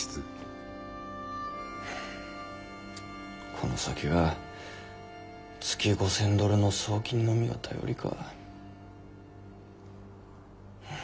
この先は月５，０００ドルの送金のみが頼りか。